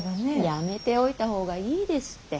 やめておいた方がいいですって。